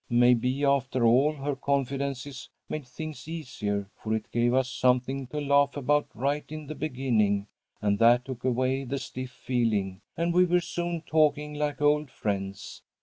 Maybe, after all, her confidences made things easier, for it gave us something to laugh about right in the beginning, and that took away the stiff feeling, and we were soon talking like old friends.